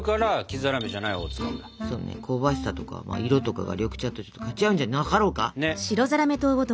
そうね香ばしさとか色とかが緑茶とかち合うんじゃなかろうか。